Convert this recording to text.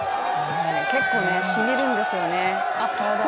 結構しみるんですよね。